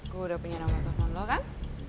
gue udah punya nomor telepon lo kan